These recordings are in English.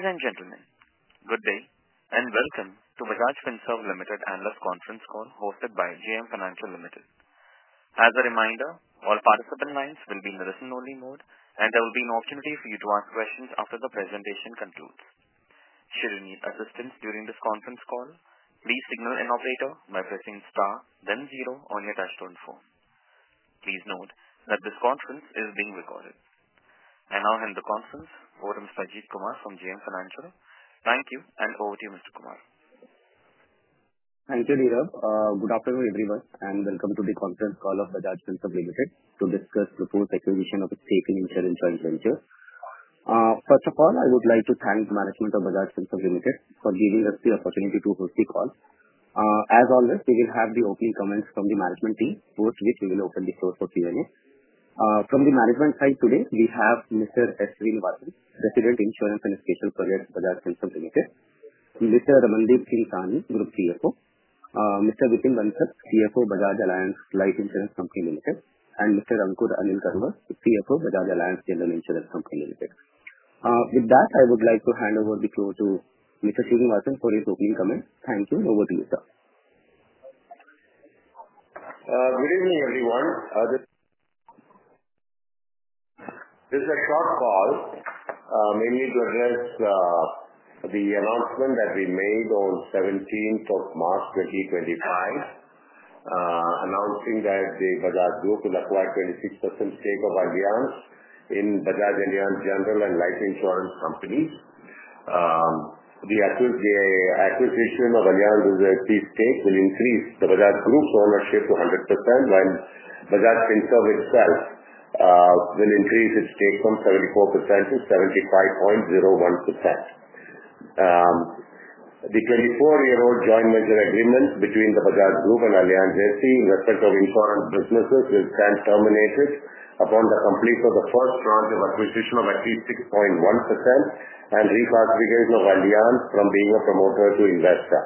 Ladies and gentlemen, good day and welcome to Bajaj Finserv Limited analyst conference call hosted by JM Financial Limited. As a reminder, all participant lines will be in the listen-only mode, and there will be an opportunity for you to ask questions after the presentation concludes. Should you need assistance during this conference call, please signal an operator by pressing star, then zero on your touch-tone phone. Please note that this conference is being recorded. I will hand the conference over to Mr. Ajit Kumar from JM Financial. Thank you, and over to you, Mr. Kumar. Thank you, Dheeraj. Good afternoon, everyone, and welcome to the conference call of Bajaj Finserv Limited to discuss the fourth acquisition of a stake in Insurance Joint Venture. First of all, I would like to thank the management of Bajaj Finserv Limited for giving us the opportunity to host the call. As always, we will have the opening comments from the management team, after which we will open the floor for Q&A. From the management side today, we have Mr. S. Sreenivasan, President, Insurance and Special Projects, Bajaj Finserv Limited; Mr. Ramandeep Singh Sahni, Group CFO; Mr. Vipin Bansal, CFO, Bajaj Allianz Life Insurance Company Limited; and Mr. Anckur Anil Kanwar, CFO, Bajaj Allianz General Insurance Company Limited. With that, I would like to hand over the floor to Mr. Sreenivasan for his opening comments. Thank you, and over to you, sir. Good evening, everyone. This is a short call mainly to address the announcement that we made on 17th of March, 2025, announcing that the Bajaj Group will acquire 26% stake of Allianz in Bajaj Allianz General and Life Insurance Companies. The acquisition of Allianz as a key stake will increase the Bajaj Group's ownership to 100%, while Bajaj Finserv itself will increase its stake from 74% to 75.01%. The 24-year-old joint venture agreement between the Bajaj Group and Allianz SE in respect of insurance businesses will stand terminated upon the completion of the first round of acquisition of at least 6.1% and reclassification of Allianz from being a promoter to investor.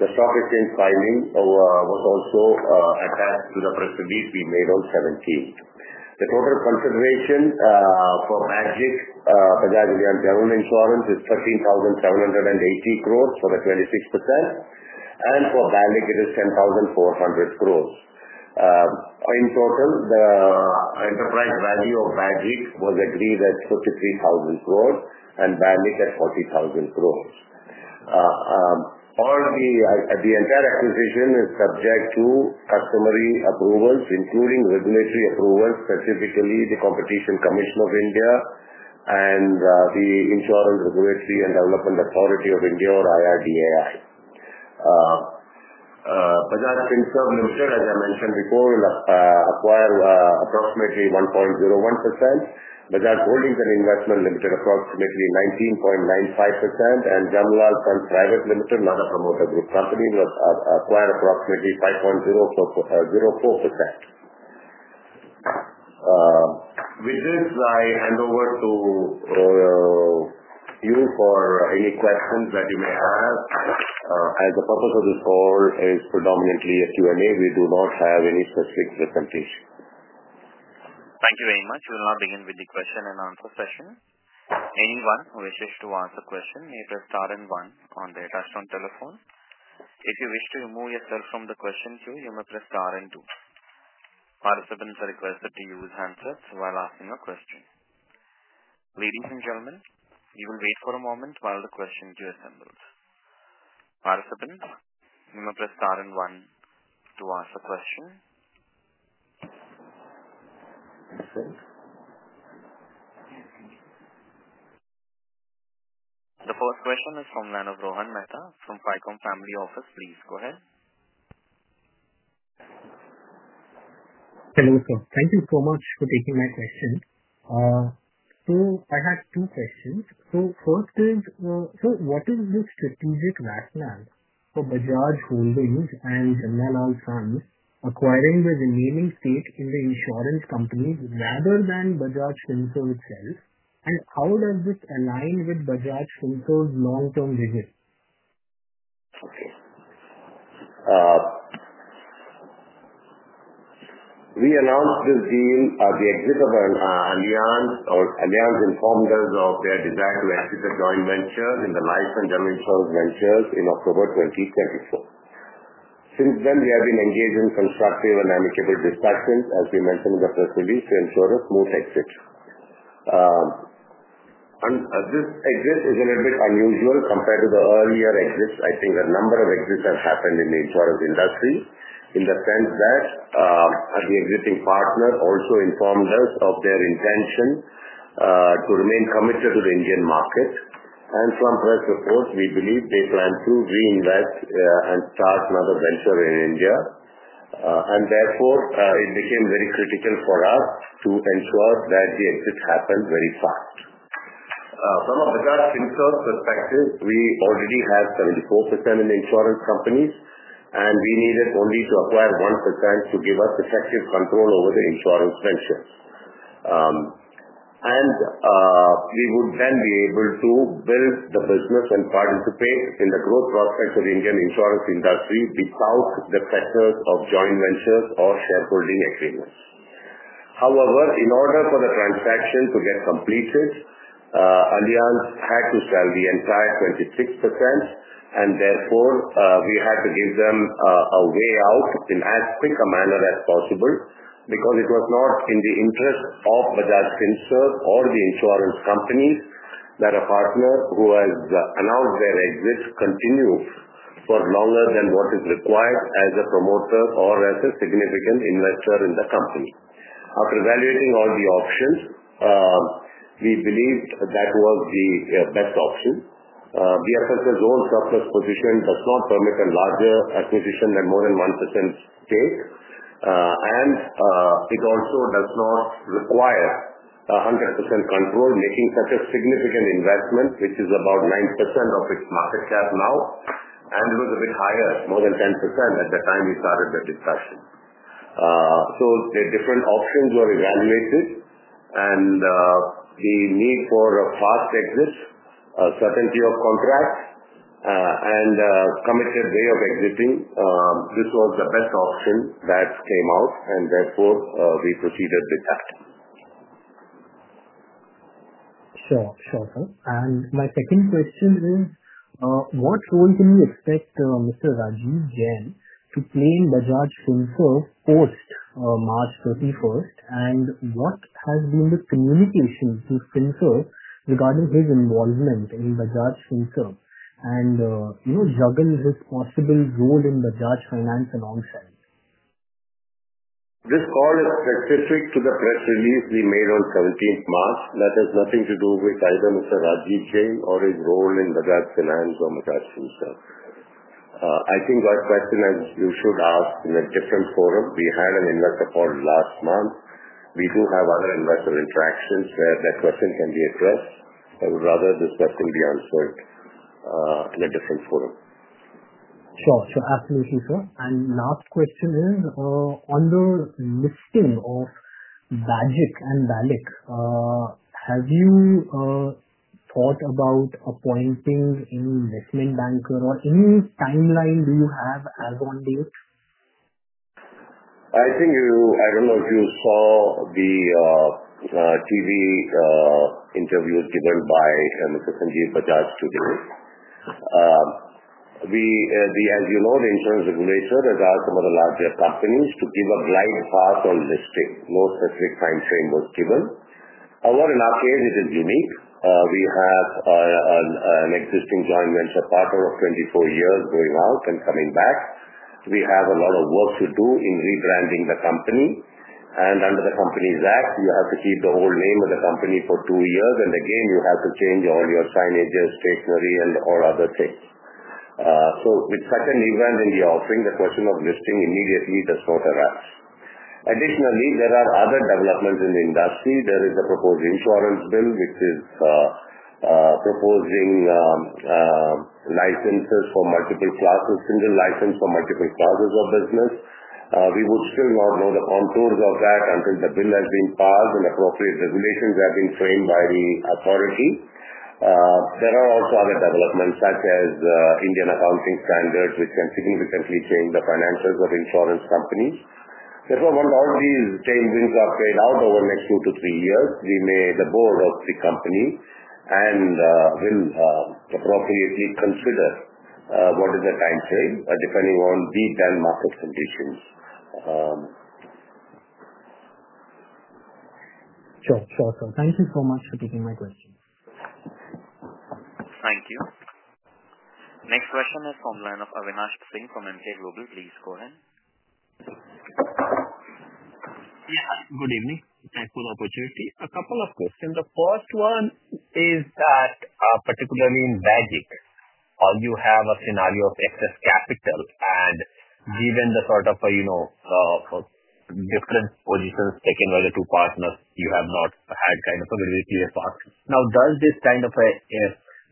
The stock exchange filing was also attached to the precedent we made on 17th. The total consideration for BAGIC Bajaj Allianz General Insurance is 13,780 crore for the 26%, and for BALIC, it is 10,400 crore. In total, the enterprise value of BAGIC was agreed at 53,000 crore and BALIC at 40,000 crore. The entire acquisition is subject to customary approvals, including regulatory approvals, specifically the Competition Commission of India and the Insurance Regulatory and Development Authority of India, or IRDAI. Bajaj Finserv Limited, as I mentioned before, will acquire approximately 1.01%. Bajaj Holdings and Investment Limited, approximately 19.95%, and Jamnalal Sons Private Limited, not a promoter group company, will acquire approximately 5.04%. With this, I hand over to you for any questions that you may have. The purpose of this call is predominantly a Q&A. We do not have any specific presentation. Thank you very much. We will now begin with the question-and-answer session. Anyone who wishes to ask a question may press star and one on their touch-tone telephone. If you wish to remove yourself from the question queue, you may press star and two. Participants are requested to use handsets while asking a question. Ladies and gentlemen, you will wait for a moment while the question queue assembles. Participants, you may press star and one to ask a question. The first question is from line of [Rohan Mehta] from Ficom Family Office. Please go ahead. Hello, sir. Thank you so much for taking my question. I had two questions. First is, what is the strategic background for Bajaj Holdings and Jamnalal Sons acquiring a remaining stake in the insurance companies rather than Bajaj Finserv itself? How does this align with Bajaj Finserv's long-term vision? We announced the deal at the exit of Allianz or Allianz informed us of their desire to exit the joint venture in the Life and General Insurance ventures in October 2024. Since then, we have been engaged in constructive and amicable discussions, as we mentioned in the precedent, to ensure a smooth exit. This exit is a little bit unusual compared to the earlier exits. I think a number of exits have happened in the insurance industry in the sense that the existing partner also informed us of their intention to remain committed to the Indian market. From press reports, we believe they plan to reinvest and start another venture in India. Therefore, it became very critical for us to ensure that the exit happened very fast. From a Bajaj Finserv perspective, we already have 74% in insurance companies, and we needed only to acquire 1% to give us effective control over the insurance ventures. We would then be able to build the business and participate in the growth prospects of the Indian insurance industry without the pressures of joint ventures or shareholding agreements. However, in order for the transaction to get completed, Allianz had to sell the entire 26%, and therefore, we had to give them a way out in as quick a manner as possible because it was not in the interest of Bajaj Finserv or the insurance companies that a partner who has announced their exit continues for longer than what is required as a promoter or as a significant investor in the company. After evaluating all the options, we believed that was the best option. BFS's own surplus position does not permit a larger acquisition than more than 1% stake, and it also does not require 100% control, making such a significant investment, which is about 9% of its market cap now, and it was a bit higher, more than 10%, at the time we started the discussion. The different options were evaluated, and the need for a fast exit, a certainty of contract, and a committed way of exiting, this was the best option that came out, and therefore, we proceeded with that. Sure, sure. My second question is, what role can we expect Mr. Rajeev Jain to play in Bajaj Finserv post-March 31st? What has been the communication to Finserv regarding his involvement in Bajaj Finserv and juggle his possible role in Bajaj Finance alongside? This call is specific to the press release we made on 17th March. That has nothing to do with either Mr. Rajeev Jain or his role in Bajaj Finance or Bajaj Finserv. I think that question, as you should ask in a different forum. We had an investor call last month. We do have other investor interactions where that question can be addressed, but rather this question be answered in a different forum. Sure, sure. Absolutely, sir. Last question is, on the listing of BAGIC and BALIC, have you thought about appointing an investment banker or any timeline do you have as of date? I think you—I don't know if you saw the TV interviews given by Mr. Sanjiv Bajaj today. As you know, the insurance regulator has asked some of the larger companies to give a glide path on listing. No specific time frame was given. However, in our case, it is unique. We have an existing joint venture partner of 24 years going out and coming back. We have a lot of work to do in rebranding the company. Under the Companies Act, you have to keep the whole name of the company for two years, and again, you have to change all your signage, stationery, and all other things. With such an event in the offering, the question of listing immediately does not arise. Additionally, there are other developments in the industry. There is a proposed insurance bill, which is proposing licenses for multiple classes, single license for multiple classes of business. We would still not know the contours of that until the bill has been passed and appropriate regulations have been framed by the authority. There are also other developments such as Indian accounting standards, which can significantly change the financials of insurance companies. Therefore, once all these tailwinds are played out over the next two to three years, we may—the board of the company—and will appropriately consider what is the time frame depending on the then market conditions. Sure, sure. Thank you so much for taking my question. Thank you. Next question is from line of Avinash Singh from Emkay Global. Please go ahead. Yes, good evening. Thank you for the opportunity. A couple of questions. The first one is that, particularly in BAGIC, you have a scenario of excess capital, and given the sort of different positions taken by the two partners, you have not had kind of a very clear path. Now, does this kind of a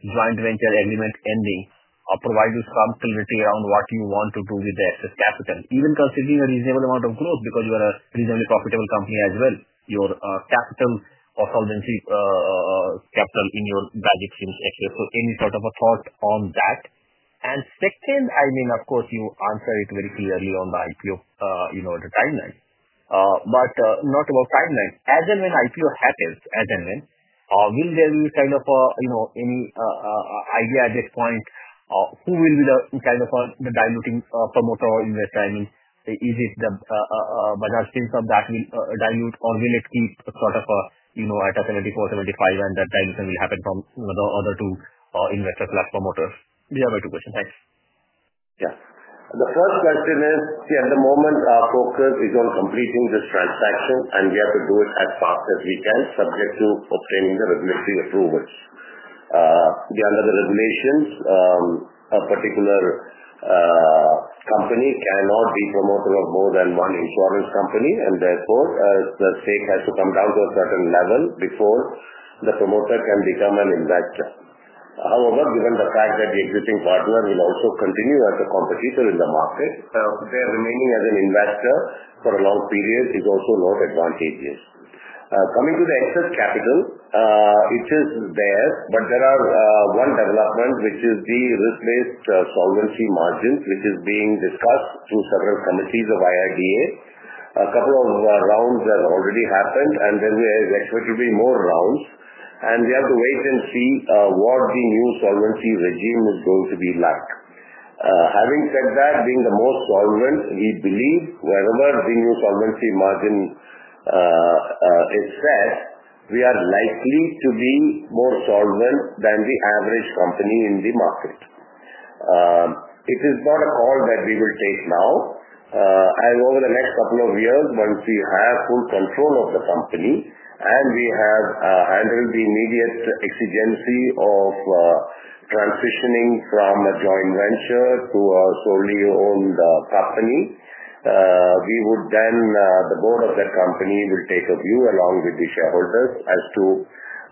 joint venture agreement ending provide you some clarity around what you want to do with the excess capital? Even considering a reasonable amount of growth, because you are a reasonably profitable company as well, your capital or solvency capital in your BAGIC [audio distorion]. Any sort of a thought on that? I mean, of course, you answered it very clearly on the IPO timeline, but not about timeline. As and when IPO happens, as and when, will there be kind of any idea at this point who will be the kind of the diluting promoter or investor? I mean, is it the Bajaj Finserv that will dilute, or will it keep sort of at a 74, 75, and that dilution will happen from the other two investors/promoters? These are my two questions. Thanks. Yeah. The first question is, see, at the moment, our focus is on completing this transaction, and we have to do it as fast as we can, subject to obtaining the regulatory approvals. Under the regulations, a particular company cannot be promoter of more than one insurance company, and therefore, the stake has to come down to a certain level before the promoter can become an investor. However, given the fact that the existing partner will also continue as a competitor in the market, their remaining as an investor for a long period is also not advantageous. Coming to the excess capital, it is there, but there are one development, which is the risk-based solvency margins, which is being discussed through several committees of IRDAI. A couple of rounds have already happened, and then there is expected to be more rounds, and we have to wait and see what the new solvency regime is going to be like. Having said that, being the most solvent, we believe wherever the new solvency margin is set, we are likely to be more solvent than the average company in the market. It is not a call that we will take now. Over the next couple of years, once we have full control of the company and we have handled the immediate exigency of transitioning from a joint venture to a solely owned company, the board of that company will take a view along with the shareholders as to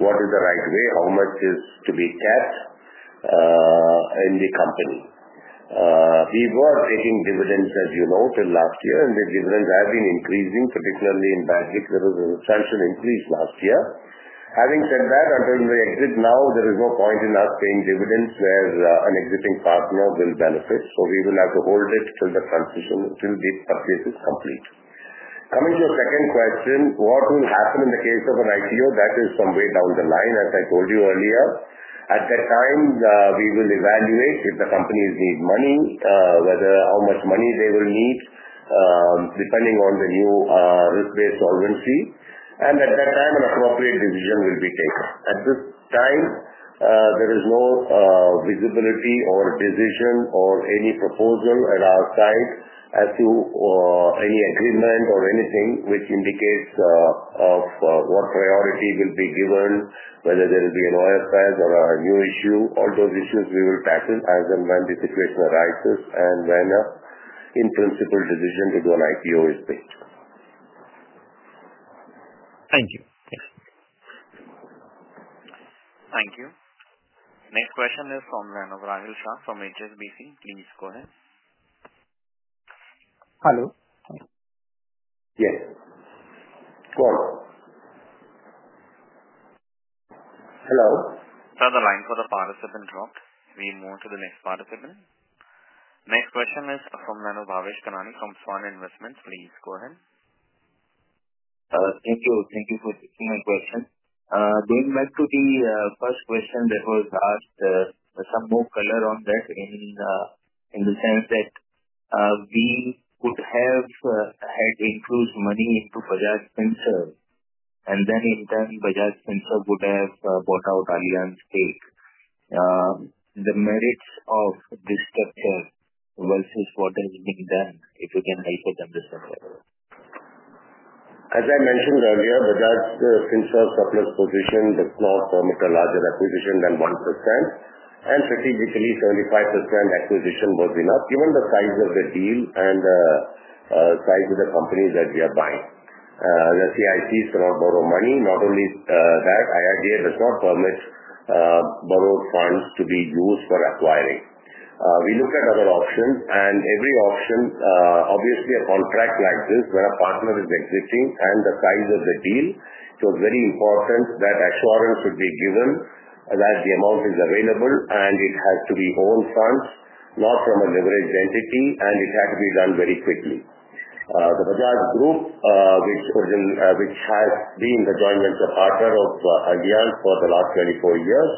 what is the right way, how much is to be kept in the company. We were taking dividends, as you know, till last year, and the dividends have been increasing, particularly in BAGIC. There was a substantial increase last year. Having said that, until we exit now, there is no point in us paying dividends where an existing partner will benefit. We will have to hold it till the transition, till the purchase is complete. Coming to your second question, what will happen in the case of an IPO? That is some way down the line, as I told you earlier. At that time, we will evaluate if the companies need money, how much money they will need depending on the new risk-based solvency, and at that time, an appropriate decision will be taken. At this time, there is no visibility or decision or any proposal at our side as to any agreement or anything which indicates what priority will be given, whether there will be an IPO or a new issue. All those issues we will tackle as and when the situation arises and when an in-principle decision to do an IPO is made. Thank you. Thank you. Next question is from line of Rahil Shah from HSBC. Please go ahead. Hello. Yes. Hello. The line for the participant dropped. We move on to the next participant. Next question is from line of [Bhavesh Kanani] from Swan Investments. Please go ahead. Thank you. Thank you for taking my question. Going back to the first question that was asked, some more color on that in the sense that we would have had infused money into Bajaj Finserv, and then in turn, Bajaj Finserv would have bought out Allianz stake. The merits of this structure versus what has been done, if you can highlight on this structure? As I mentioned earlier, Bajaj Finserv's surplus position does not permit a larger acquisition than 1%, and strategically, 75% acquisition was enough given the size of the deal and the size of the company that we are buying. The CICs cannot borrow money. Not only that, IRDA does not permit borrowed funds to be used for acquiring. We looked at other options, and every option, obviously, a contract like this where a partner is exiting and the size of the deal, it was very important that assurance should be given that the amount is available and it has to be owned funds, not from a leveraged entity, and it had to be done very quickly. The Bajaj Group, which has been the joint venture partner of Allianz for the last 24 years,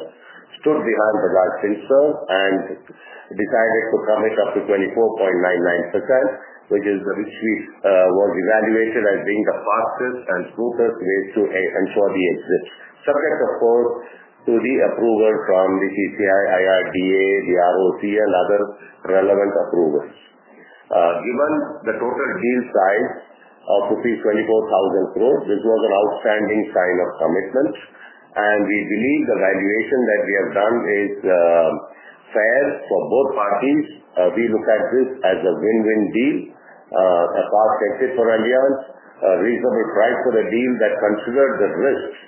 stood behind Bajaj Finserv and decided to commit up to 24.99%, which was evaluated as being the fastest and smoothest way to ensure the exit, subject, of course, to the approval from the CCI, IRDAI, the ROC, and other relevant approvals. Given the total deal size of rupees 24,000 crore, this was an outstanding sign of commitment, and we believe the valuation that we have done is fair for both parties. We look at this as a win-win deal, a fast exit for Allianz, a reasonable price for a deal that considered the risks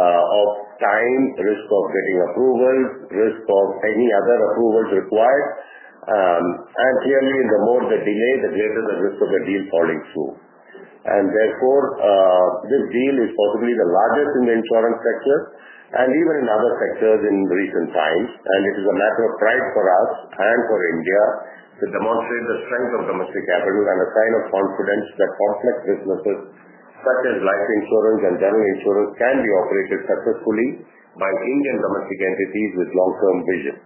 of time, risk of getting approvals, risk of any other approvals required. Clearly, the more the delay, the greater the risk of the deal falling through. Therefore, this deal is possibly the largest in the insurance sector and even in other sectors in recent times, and it is a matter of pride for us and for India to demonstrate the strength of domestic capital and a sign of confidence that complex businesses such as life insurance and general insurance can be operated successfully by Indian domestic entities with long-term vision.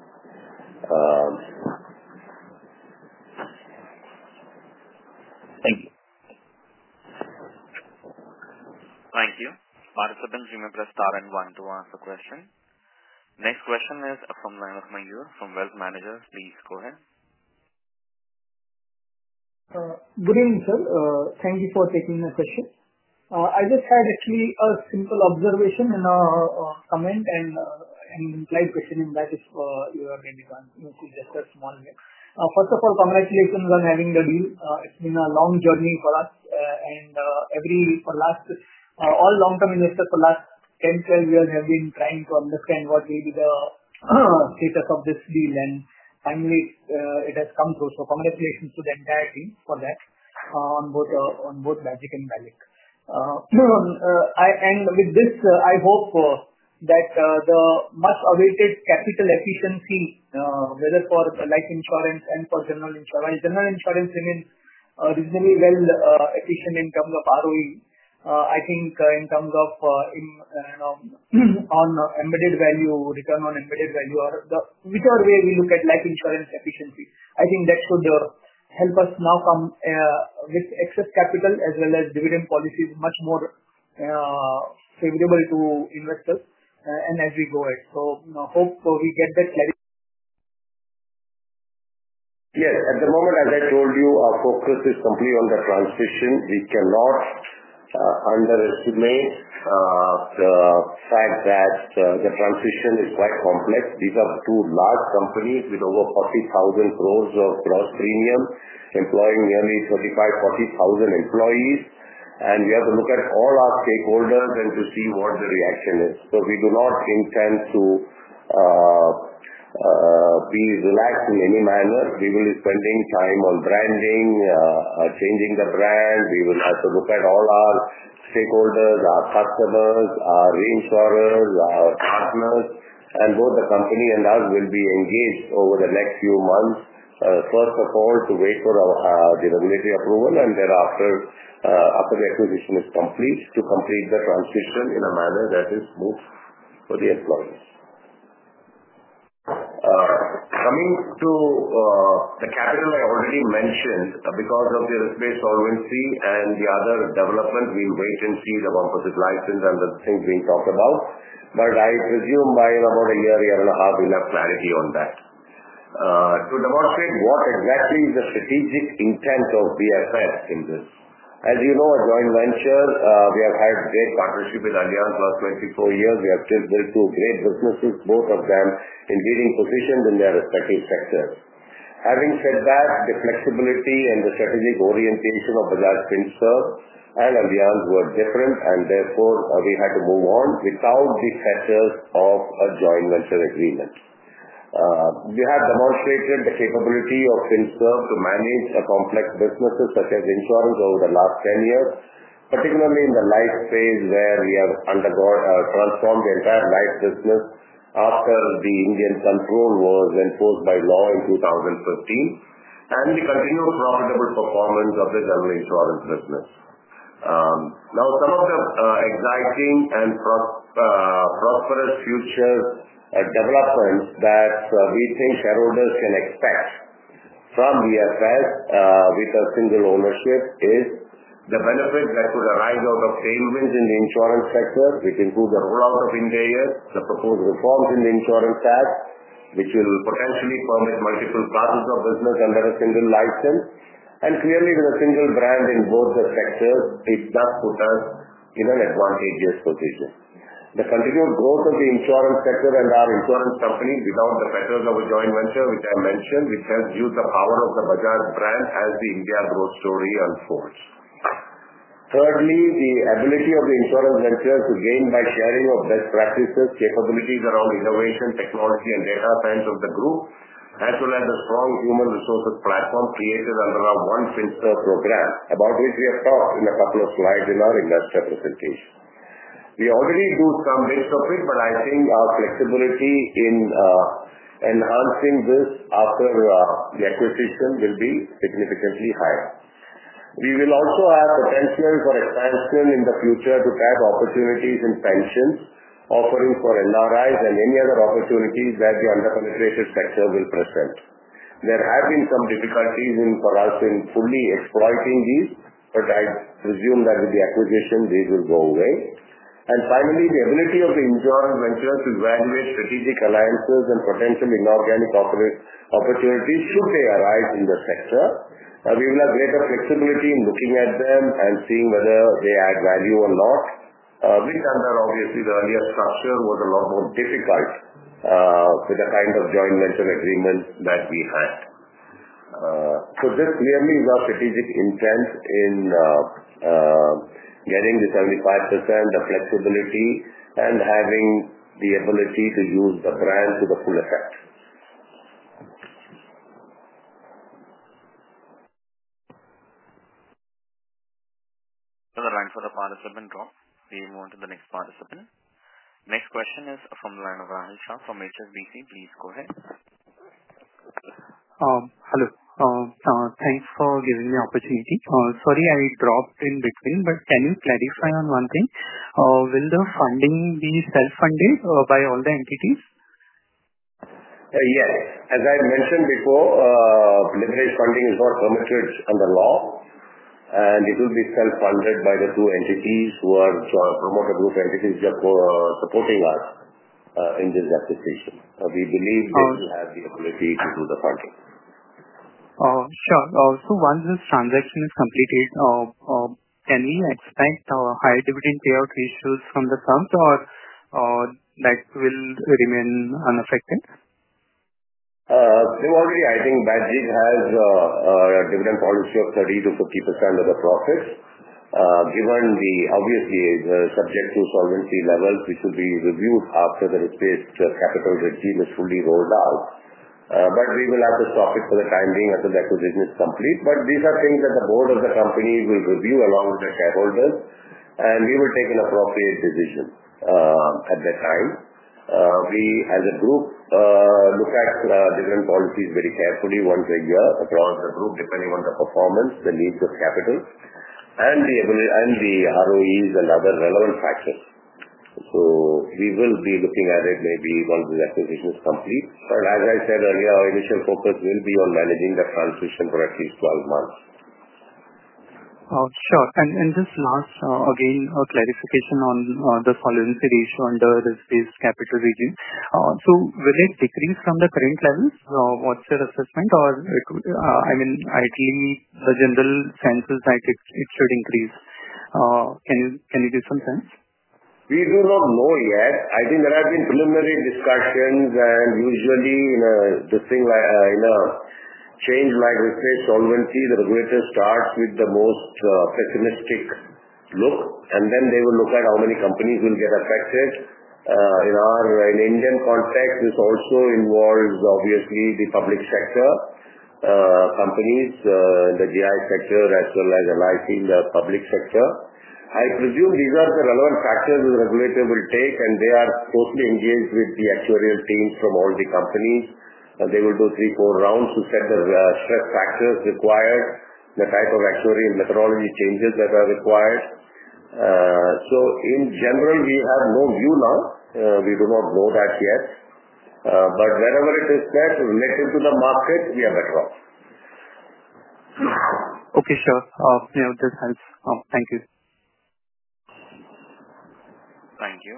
Thank you. Thank you. Participants, you may press star and one to ask a question. Next question is from line of [Mahir] from Wealth Managers. Please go ahead. Good evening, sir. Thank you for taking my question. I just had actually a simple observation and a comment and implied question in that if you are ready to answer. It's just a small. First of all, congratulations on having the deal. It's been a long journey for us, and for all long-term investors for the last 10 years, 12 years have been trying to understand what will be the status of this deal, and finally, it has come true. Congratulations to the entire team for that on both BAGIC and BALIC. With this, I hope that the much awaited capital efficiency, whether for life insurance and for general insurance, while general insurance remains reasonably well efficient in terms of ROE, I think in terms of embedded value, return on embedded value, or whichever way we look at life insurance efficiency, I think that should help us now come with excess capital as well as dividend policies much more favorable to investors as we go ahead. Hope we get that clarity. Yes. At the moment, as I told you, our focus is completely on the transition. We cannot underestimate the fact that the transition is quite complex. These are two large companies with over 40,000 crore of gross premium, employing nearly 35,000-40,000 employees, and we have to look at all our stakeholders and to see what the reaction is. We do not intend to be relaxed in any manner. We will be spending time on branding, changing the brand. We will have to look at all our stakeholders, our customers, our reinsurers, our partners, and both the company and us will be engaged over the next few months, first of all, to wait for the regulatory approval, and thereafter, after the acquisition is complete, to complete the transition in a manner that is smooth for the employees. Coming to the capital I already mentioned, because of the risk-based solvency and the other development, we'll wait and see the composite license and the things being talked about, but I presume by about a year, year and a half, we'll have clarity on that. To demonstrate what exactly is the strategic intent of BFS in this. As you know, a joint venture, we have had great partnership with Allianz for 24 years. We have built two great businesses, both of them in leading positions in their respective sectors. Having said that, the flexibility and the strategic orientation of Bajaj Finserv and Allianz were different, and therefore, we had to move on without the pressures of a joint venture agreement. We have demonstrated the capability of Finserv to manage complex businesses such as insurance over the last 10 years, particularly in the life phase where we have transformed the entire life business after the Indian control was enforced by law in 2015, and the continued profitable performance of the general insurance business. Now, some of the exciting and prosperous future developments that we think shareholders can expect from BFS with a single ownership is the benefits that could arise out of tailwinds in the insurance sector, which include the rollout of [India], the proposed reforms in the insurance act, which will potentially permit multiple classes of business under a single license, and clearly, with a single brand in both the sectors, it does put us in an advantageous position. The continued growth of the insurance sector and our insurance companies without the pressures of a joint venture, which I mentioned, which helps use the power of the Bajaj brand as the India growth story unfolds. Thirdly, the ability of the insurance ventures to gain by sharing of best practices, capabilities around innovation, technology, and data science of the group, as well as the strong human resources platform created under our One Finserv program, about which we have talked in a couple of slides in our investor presentation. We already do some bits of it, but I think our flexibility in enhancing this after the acquisition will be significantly higher. We will also have potential for expansion in the future to tap opportunities in pensions, offerings for NRIs, and any other opportunities that the under-penetrated sector will present. There have been some difficulties for us in fully exploiting these, but I presume that with the acquisition, these will go away. Finally, the ability of the insurance ventures to evaluate strategic alliances and potential inorganic opportunities should they arise in the sector. We will have greater flexibility in looking at them and seeing whether they add value or not, which under, obviously, the earlier structure, was a lot more difficult with the kind of joint venture agreement that we had. This clearly is our strategic intent in getting the 75%, the flexibility, and having the ability to use the brand to the full effect. The line for the participant dropped. We move on to the next participant. Next question is from line of Rahil Shah from HSBC. Please go ahead. Hello. Thanks for giving me the opportunity. Sorry, I dropped in between, but can you clarify on one thing? Will the funding be self-funded by all the entities? Yes. As I mentioned before, leveraged funding is not permitted under law, and it will be self-funded by the two entities who are promoter group entities supporting us in this acquisition. We believe that we have the ability to do the funding. Sure. Once this transaction is completed, can we expect higher dividend payout ratios from the fund, or that will remain unaffected? Similarly, I think BAGIC has a dividend policy of 30%-50% of the profits. Given the obviously subject to solvency levels, which will be reviewed after the risk-based capital regime is fully rolled out, we will have to stop it for the time being until the acquisition is complete. These are things that the board of the company will review along with the shareholders, and we will take an appropriate decision at that time. We, as a group, look at different policies very carefully once a year across the group, depending on the performance, the needs of capital, and the ROEs and other relevant factors. We will be looking at it maybe once this acquisition is complete. As I said earlier, our initial focus will be on managing the transition for at least 12 months. Sure. Just last, again, a clarification on the solvency ratio under the risk-based capital regime. Will it decrease from the current levels? What's your assessment? I mean, ideally, the general sense is that it should increase. Can you give some sense? We do not know yet. I think there have been preliminary discussions, and usually, in a change like risk-based solvency, the regulator starts with the most pessimistic look, and then they will look at how many companies will get affected. In Indian context, this also involves, obviously, the public sector companies, the GI sector, as well as, as I see, the public sector. I presume these are the relevant factors the regulator will take, and they are closely engaged with the actuarial teams from all the companies. They will do three, four rounds to set the stress factors required, the type of actuarial methodology changes that are required. In general, we have no view now. We do not know that yet. Wherever it is set relative to the market, we are better off. Okay. Sure. Yeah, this helps. Thank you. Thank you.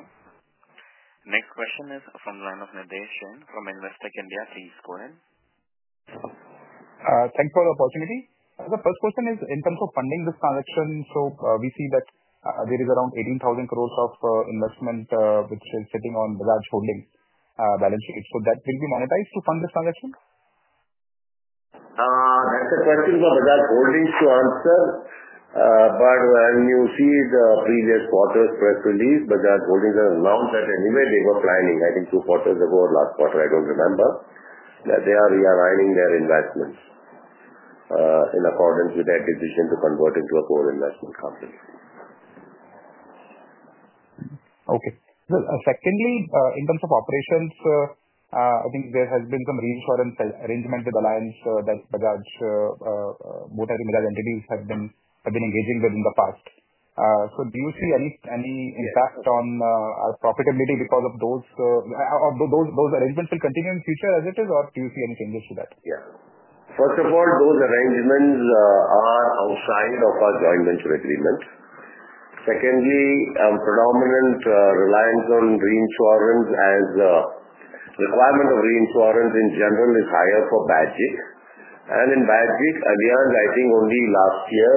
Next question is from line of from Investec India. Please go ahead. Thanks for the opportunity. The first question is in terms of funding this transaction. We see that there is around 18,000 crore of investment, which is sitting on Bajaj Holdings' balance sheet. That will be monetized to fund this transaction? That's a question for Bajaj Holdings to answer. When you see the previous quarter's press release, Bajaj Holdings has announced that anyway they were planning, I think, two quarters ago or last quarter, I don't remember, that they are realigning their investments in accordance with their decision to convert into a core investment company. Okay. Secondly, in terms of operations, I think there has been some reinsurance arrangement with Allianz that Bajaj, mostly Bajaj entities, have been engaging with in the past. Do you see any impact on profitability because those arrangements will continue in the future as it is, or do you see any changes to that? Yeah. First of all, those arrangements are outside of our joint venture agreement. Secondly, predominant reliance on reinsurance as requirement of reinsurance in general is higher for BAGIC. And in BAGIC Allianz, I think, only last year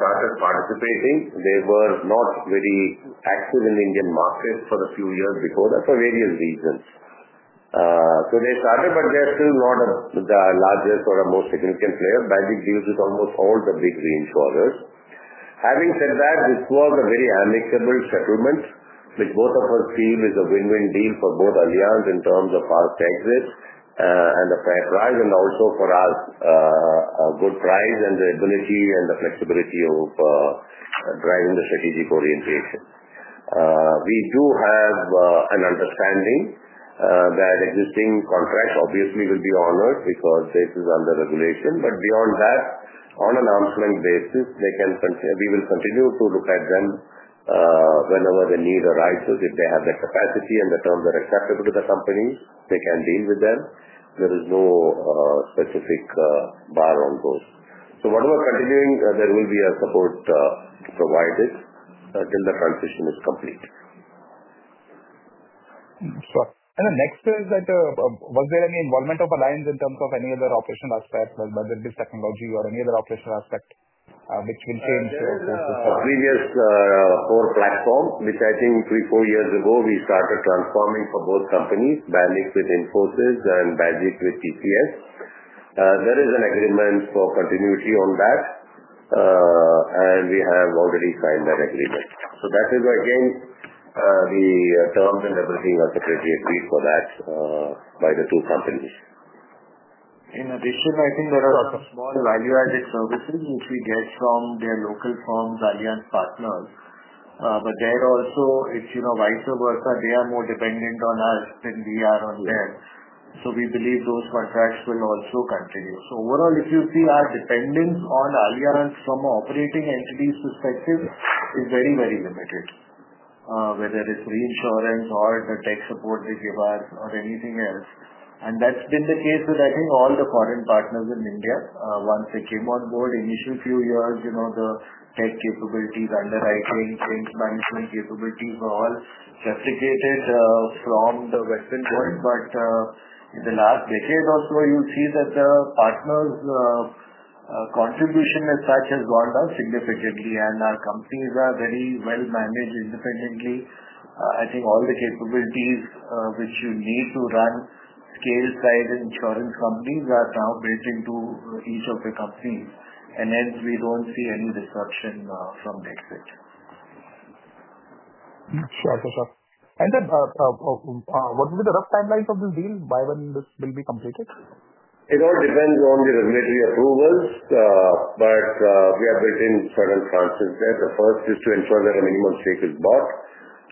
started participating. They were not very active in the Indian market for a few years before that for various reasons. They started, but they are still not the largest or the most significant player. BAGIC deals with almost all the big reinsurers. Having said that, this was a very amicable settlement, which both of us feel is a win-win deal for both Allianz in terms of fast exit and the fair price, and also for us, a good price and the ability and the flexibility of driving the strategic orientation. We do have an understanding that existing contracts, obviously, will be honored because this is under regulation. Beyond that, on an arm's length basis, we will continue to look at them whenever the need arises if they have the capacity and the terms are acceptable to the companies. They can deal with them. There is no specific bar on those. Whatever continuing, there will be a support provided until the transition is complete. Sure. The next is that was there any involvement of Allianz in terms of any other operational aspect, whether it be technology or any other operational aspect which will change? The previous core platform, which I think three, four years ago, we started transforming for both companies, BALIC with Infosys and BAGIC with TCS. There is an agreement for continuity on that, and we have already signed that agreement. That is, again, the terms and everything are separately agreed for that by the two companies. In addition, I think there are some small value-added services which we get from their local firms, Allianz partners. It is also vice versa. They are more dependent on us than we are on them. We believe those contracts will also continue. Overall, if you see, our dependence on Allianz from an operating entity's perspective is very, very limited, whether it is reinsurance or the tech support they give us or anything else. That has been the case with, I think, all the foreign partners in India. Once they came on board, initial few years, the tech capabilities, underwriting, change management capabilities were all deprecated from the western world. In the last decade or so, you will see that the partners' contribution as such has gone down significantly, and our companies are very well managed independently. I think all the capabilities which you need to run scale-sized insurance companies are now built into each of the companies. Hence, we do not see any disruption from the exit. Sure. Sure. What will be the rough timelines of this deal, by when this will be completed? It all depends on the regulatory approvals, but we have written certain tranches there. The first is to ensure that a minimum stake is bought.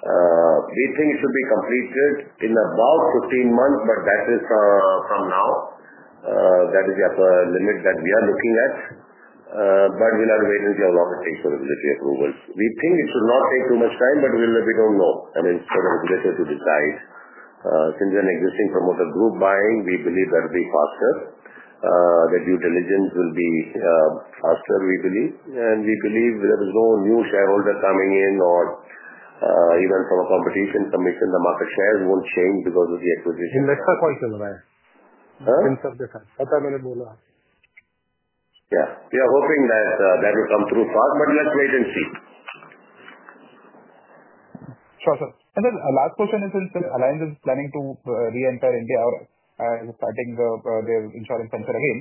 We think it should be completed in about 15 months, but that is from now. That is the upper limit that we are looking at. We'll have to wait and see how long it takes for regulatory approvals. We think it should not take too much time, but we don't know. I mean, it's for the regulator to decide. Since an existing promoter group is buying, we believe that will be faster, that due diligence will be faster, we believe. We believe there is no new shareholder coming in, or even from a competition commission, the market shares won't change because of the acquisition. Indexer points you'll arise. Huh? In some defense. What I'm going to bold out. Yeah. We are hoping that that will come through fast, but let's wait and see. Sure. Sure. The last question is instead, Allianz is planning to re-enter India or starting their insurance venture again.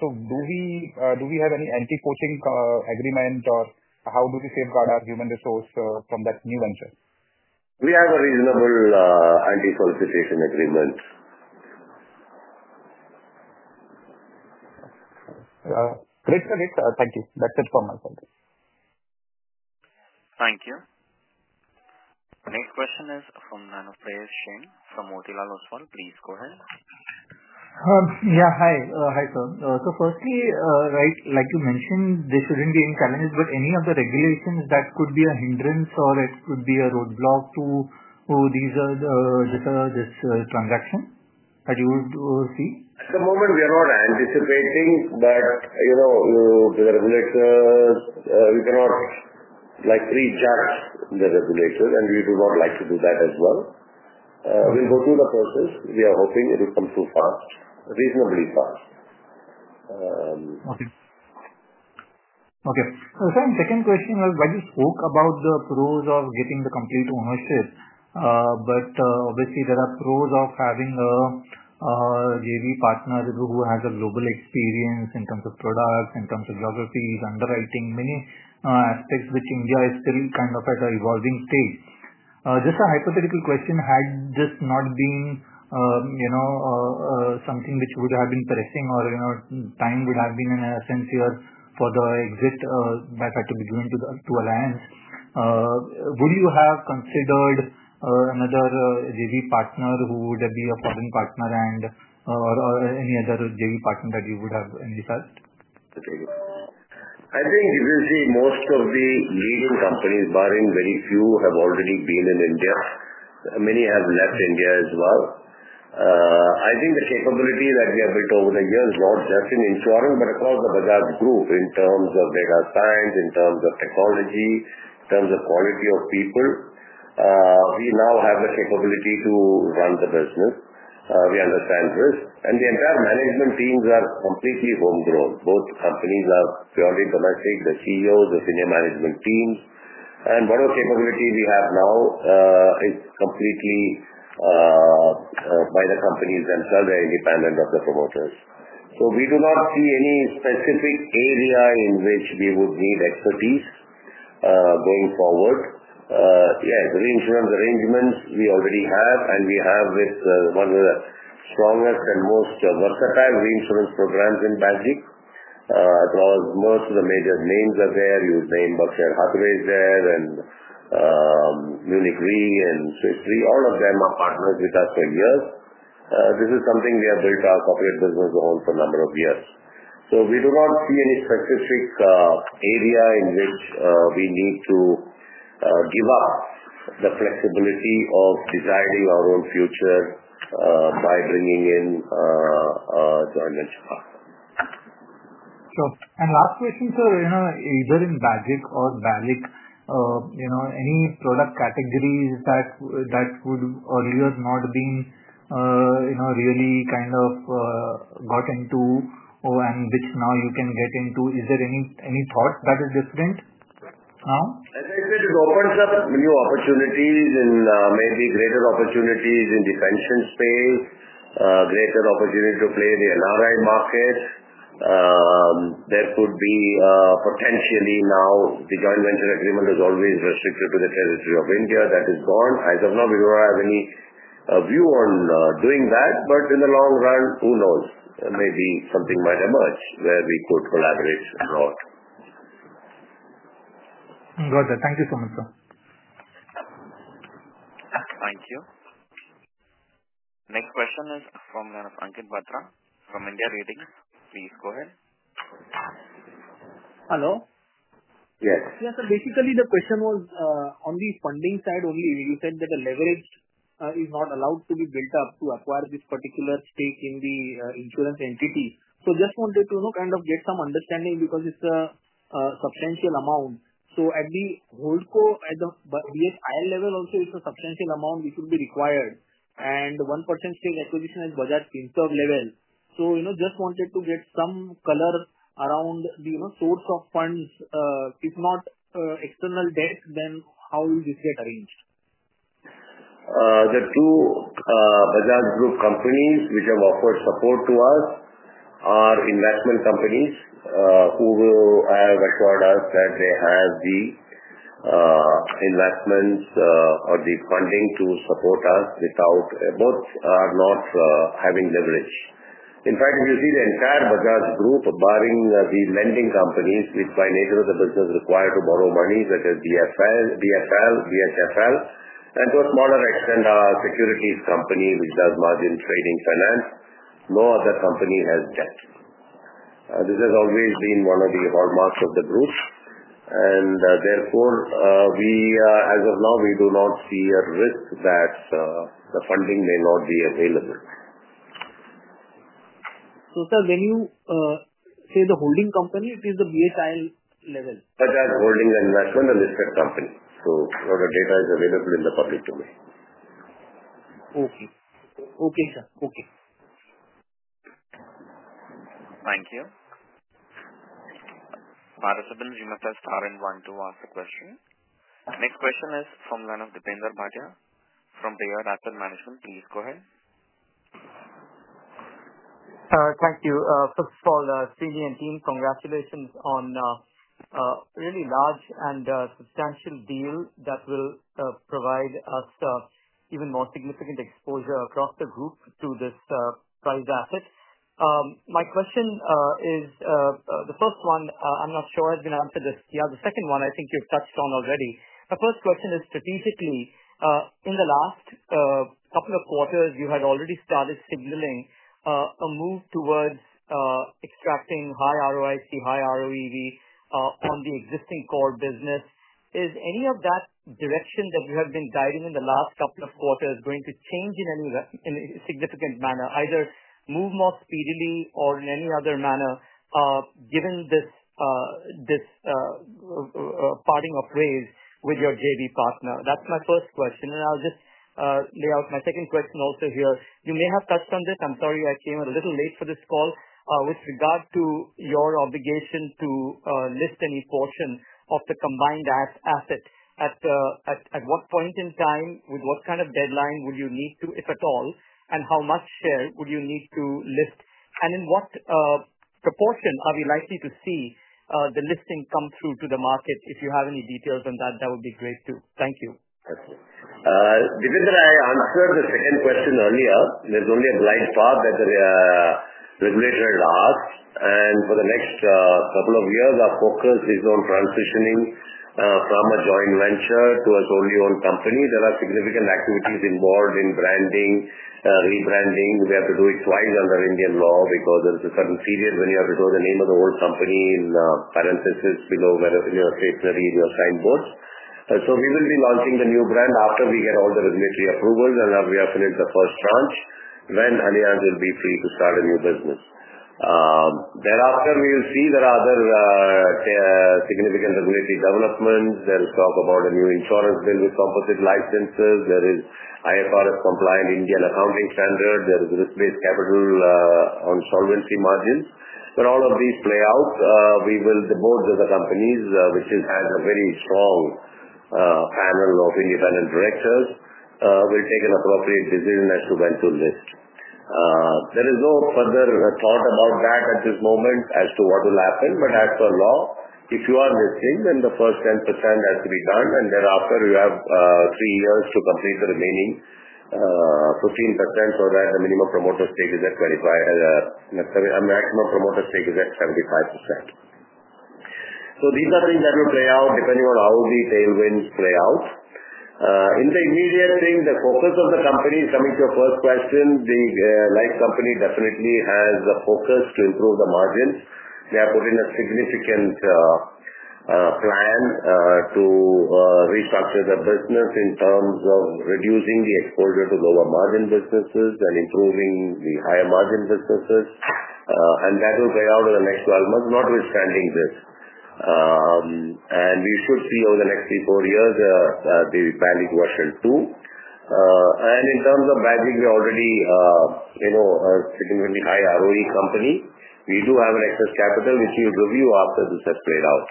Do we have any anti-poaching agreement, or how do we safeguard our human resource from that new venture? We have a reasonable anti-solicitation agreement. Great. Great. Thank you. That's it from my side. Thank you. Next question is from line of [Mahir Shen] from Motilal Oswal. Please go ahead. Yeah. Hi. Hi, sir. Like you mentioned, there shouldn't be any challenges, but any of the regulations that could be a hindrance or it could be a roadblock to these transactions that you would see? At the moment, we are not anticipating, but the regulators, we cannot pre-judge the regulators, and we do not like to do that as well. We'll go through the process. We are hoping it will come through fast, reasonably fast. Okay. Okay. Second question was, BAGIC spoke about the pros of getting the complete ownership, but obviously, there are pros of having a JV partner who has a global experience in terms of products, in terms of geographies, underwriting, many aspects which India is still kind of at an evolving stage. Just a hypothetical question, had this not been something which would have been pressing or time would have been, in essence, here for the exit that had to be given to Allianz, would you have considered another JV partner who would be a foreign partner or any other JV partner that you would have in this? I think, as you see, most of the leading companies, barring very few, have already been in India. Many have left India as well. I think the capability that we have built over the years is not just in insurance, but across the Bajaj Group in terms of data science, in terms of technology, in terms of quality of people. We now have the capability to run the business. We understand risk. The entire management teams are completely homegrown. Both companies are purely domestic, the CEOs, the senior management teams. Whatever capability we have now is completely by the companies themselves. They are independent of the promoters. We do not see any specific area in which we would need expertise going forward. Yes, reinsurance arrangements we already have, and we have one of the strongest and most versatile reinsurance programs in Bajaj. Across most of the major names are there. You name Berkshire Hathaway is there, and Munich Re, and Swiss Re. All of them are partners with us for years. This is something we have built our corporate business on for a number of years. We do not see any specific area in which we need to give up the flexibility of designing our own future by bringing in a joint venture partner. Sure. Last question, sir, either in BAGIC or BALIC any product categories that would earlier not have been really kind of got into and which now you can get into, is there any thought that is different now? As I said, it opens up new opportunities and maybe greater opportunities in the pension space, greater opportunity to play the NRI market. There could be potentially now the joint venture agreement was always restricted to the territory of India. That is gone. As of now, we do not have any view on doing that. In the long run, who knows? Maybe something might emerge where we could collaborate abroad. Got it. Thank you so much, sir. Thank you. Next question is from line of [Ankin Bhatra] from [India Ratings]. Please go ahead. Hello? Yes. Yes, sir. Basically, the question was on the funding side only. You said that the leverage is not allowed to be built up to acquire this particular stake in the insurance entity. Just wanted to kind of get some understanding because it is a substantial amount. At the BSIL level also, it is a substantial amount which would be required. And 1% stake acquisition at Bajaj's insurance level. Just wanted to get some color around the source of funds. If not external debt, then how will this get arranged? The two Bajaj Group companies which have offered support to us are investment companies who have assured us that they have the investments or the funding to support us without both are not having leverage. In fact, if you see the entire Bajaj Group barring the lending companies which by nature of the business require to borrow money, such as BFL, BHFL, and to a smaller extent, our securities company which does margin trading finance, no other company has debt. This has always been one of the hallmarks of the group. Therefore, as of now, we do not see a risk that the funding may not be available. Sir, when you say the holding company, it is the BSIL level? Bajaj Holdings and Investment, a listed company. All the data is available in the public domain. Okay. Okay, sir. Okay. Thank you. Participants, you must press star and one to ask the question. Next question is from line of Deepinder Bhatia from Bayard Asset Management. Please go ahead. Thank you. First of all, Sreni and team, congratulations on a really large and substantial deal that will provide us even more significant exposure across the group to this prized asset. My question is the first one, I'm not sure has been answered. You have the second one, I think you've touched on already. My first question is strategically, in the last couple of quarters, you had already started signaling a move towards extracting high ROIC, high ROEV on the existing core business. Is any of that direction that you have been guiding in the last couple of quarters going to change in any significant manner, either move more speedily or in any other manner given this parting of ways with your JV partner? That's my first question. I will just lay out my second question also here. You may have touched on this. I'm sorry I came a little late for this call. With regard to your obligation to list any portion of the combined asset, at what point in time, with what kind of deadline would you need to, if at all, and how much share would you need to list? In what proportion are we likely to see the listing come through to the market? If you have any details on that, that would be great too. Thank you. Before I answer the second question earlier, there's only a blind spot that the regulator has asked. For the next couple of years, our focus is on transitioning from a joint venture to a solely-owned company. There are significant activities involved in branding, rebranding. We have to do it twice under Indian law because there's a certain period when you have to show the name of the whole company in parentheses below where it's stationary in your signboards. We will be launching the new brand after we get all the regulatory approvals, and we have finished the first tranche, when Allianz will be free to start a new business. Thereafter, we will see there are other significant regulatory developments. There is talk about a new insurance bill with composite licenses. There is IFRS-compliant Indian accounting standard. There is risk-based capital on solvency margins. When all of these play out, the boards of the companies, which has a very strong panel of independent directors, will take an appropriate decision as to when to list. There is no further thought about that at this moment as to what will happen. As per law, if you are listing, then the first 10% has to be done, and thereafter, you have three years to complete the remaining 15% so that the minimum promoter stake is at 25%. Maximum promoter stake is at 75%. These are things that will play out depending on how the tailwinds play out. In the immediate thing, the focus of the company is coming to your first question. The life company definitely has a focus to improve the margins. They have put in a significant plan to restructure the business in terms of reducing the exposure to lower margin businesses and improving the higher margin businesses. That will play out in the next 12 months, notwithstanding this. We should see over the next three-four years the BAGIC version 2. In terms of BAGIC, we are already a significantly high ROE company. We do have an excess capital which we will review after this has played out.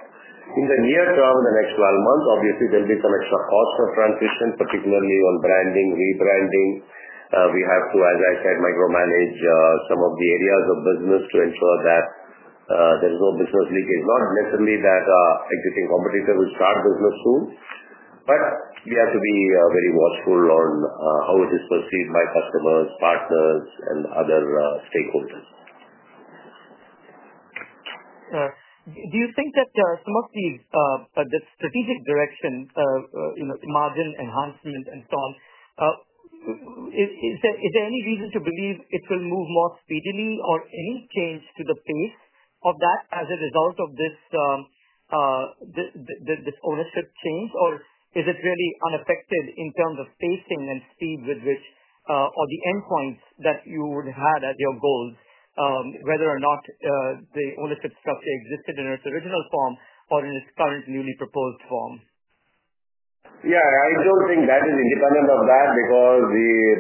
In the near term of the next 12 months, obviously, there will be some extra cost of transition, particularly on branding, rebranding. We have to, as I said, micromanage some of the areas of business to ensure that there is no business leakage. Not necessarily that existing competitor will start business soon, but we have to be very watchful on how it is perceived by customers, partners, and other stakeholders. Do you think that some of the strategic direction, margin enhancement and so on, is there any reason to believe it will move more speedily or any change to the pace of that as a result of this ownership change? Or is it really unaffected in terms of pacing and speed with which or the endpoints that you would have had as your goals, whether or not the ownership structure existed in its original form or in its current newly proposed form? Yeah. I do not think that is independent of that because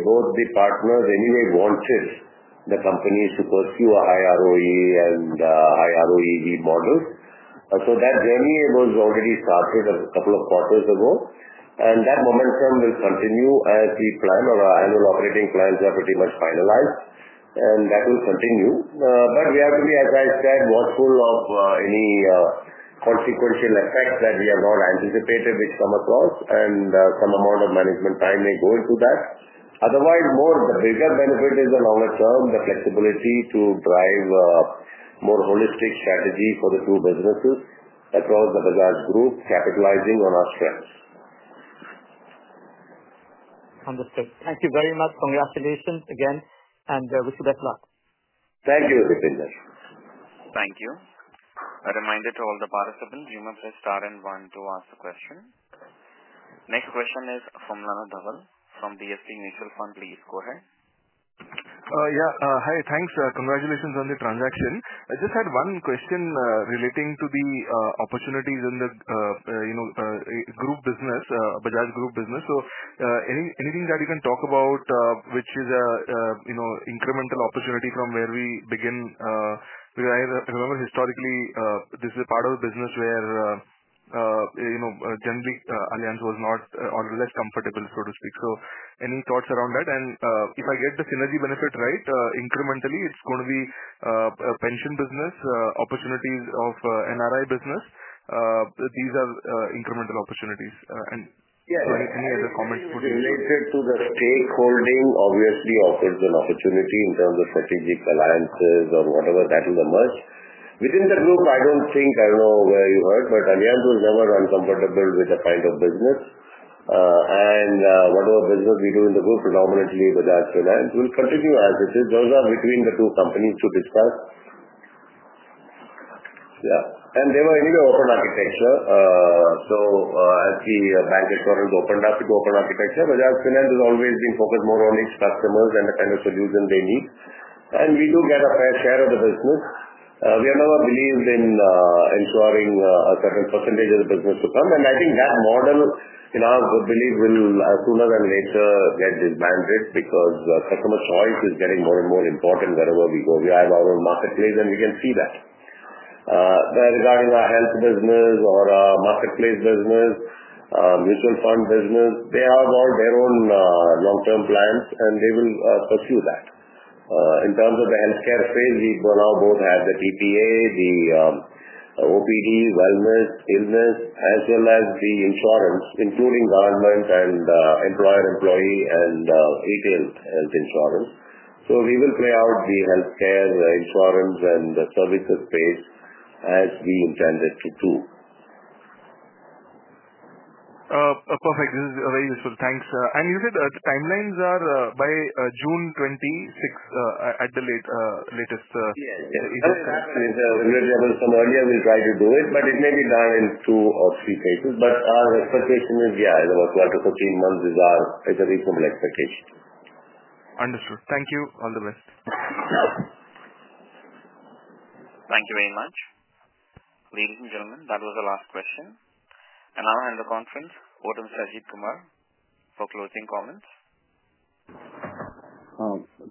both the partners anyway wanted the companies to pursue a high ROE and high ROEV model. That journey was already started a couple of quarters ago. That momentum will continue as we plan. Our annual operating plans are pretty much finalized, and that will continue. We have to be, as I said, watchful of any consequential effects that we have not anticipated which come across, and some amount of management time may go into that. Otherwise, the bigger benefit is the longer term, the flexibility to drive a more holistic strategy for the two businesses across the Bajaj Group, capitalizing on our strengths. Understood. Thank you very much. Congratulations again, and wish you best luck. Thank you, Deepinder. Thank you. A reminder to all the participants, you may press star and one to ask the question. Next question is from line of [Daval] from DSP Mutual Fund. Please go ahead. Yeah. Hi. Thanks. Congratulations on the transaction. I just had one question relating to the opportunities in the group business, Bajaj Group business. Anything that you can talk about which is an incremental opportunity from where we begin? I remember historically, this is a part of the business where generally, Allianz was not or less comfortable, so to speak. Any thoughts around that? If I get the synergy benefit right, incrementally, it's going to be a pension business, opportunities of NRI business. These are incremental opportunities. Any other comments put in? Yeah. Related to the stakeholding, obviously, offers an opportunity in terms of strategic alliances or whatever that will emerge. Within the group, I don't think I don't know where you heard, but Allianz was never uncomfortable with the kind of business. Whatever business we do in the group, predominantly Bajaj Finance, will continue as it is. Those are between the two companies to discuss. Yeah. They were anyway open architecture. As the bank accountants opened up into open architecture, Bajaj Finance has always been focused more on its customers and the kind of solution they need. We do get a fair share of the business. We have never believed in ensuring a certain percentage of the business to come. I think that model, in our belief, will as sooner than later get disbanded because customer choice is getting more and more important wherever we go. We have our own marketplace, and we can see that. Regarding our health business or our marketplace business, mutual fund business, they have all their own long-term plans, and they will pursue that. In terms of the healthcare space, we now both have the TPA, the OPD, wellness, illness, as well as the insurance, including government and employer-employee and retail health insurance. We will play out the healthcare insurance and the services space as we intended to do. Perfect. This is very useful. Thanks. You said timelines are by June 26 at the latest. Yes. If the regulatory level has come earlier, we'll try to do it, but it may be done in two or three phases. Our expectation is, yeah, in about 12 months-15 months is our reasonable expectation. Understood. Thank you. All the best. Thank you very much. Ladies and gentlemen, that was the last question. Now, I'll hand the conference over to Mr. Ajit Kumar for closing comments.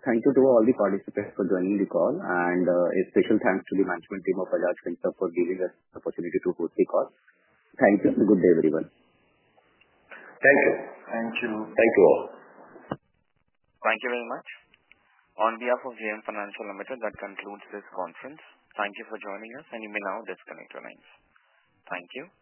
Thank you to all the participants for joining the call. A special thanks to the management team of Bajaj Finserv for giving us the opportunity to host the call. Thank you. Good day, everyone. Thank you. Thank you. Thank you all. Thank you very much. On behalf of JM Financial Limited, that concludes this conference. Thank you for joining us, and you may now disconnect your lines. Thank you.